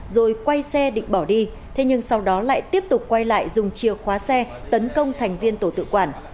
rồi quay xe định bỏ đi thế nhưng sau đó lại tiếp tục quay lại dùng chìa khóa xe tấn công thành viên tổ tự quản